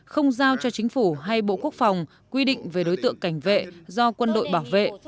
không giao cho chính phủ hay bộ quốc phòng quy định về đối tượng cảnh vệ do quân đội bảo vệ